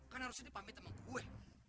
kan harusnya dia pamit sama gue